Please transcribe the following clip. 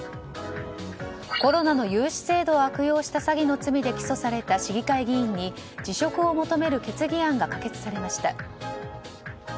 コロナの融資制度を悪用した詐欺の罪で起訴された市議会議員に辞職を求める決議案が可決されました。